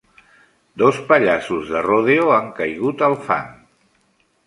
Dos pallassos de rodeo han caigut al fang.